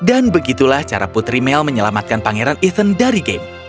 dan begitulah cara putri mel menyelamatkan pangeran ethan dari game